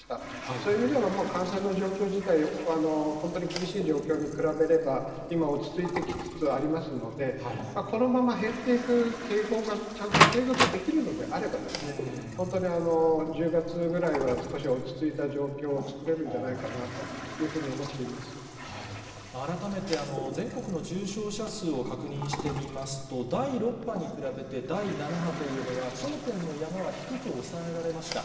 そういう意味では感染の状況自体、本当に厳しい状況に比べれば、今は落ち着いてきつつありますので、このまま減っていく傾向がちゃんと継続できるのであれば、本当に１０月ぐらいは、少し落ち着いた状況を作れるんじゃないかなというふうに思ってい改めて、全国の重症者数を確認してみますと、第６波に比べて第７波というのは、頂点の山は低く抑えられました。